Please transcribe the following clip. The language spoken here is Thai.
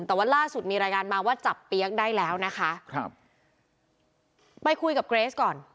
แต่ว่าล่าสุดมีรายงานมาว่าจับเปี๊ยกได้แล้วนะคะครับไปคุยกับเกรสก่อน